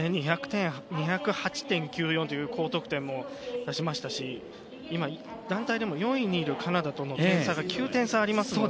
２０８．９４という高得点を出しましたし団体でも４位にいるカナダとの点差が９点あります。